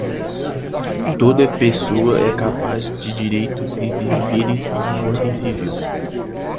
Toda pessoa é capaz de direitos e deveres na ordem civil.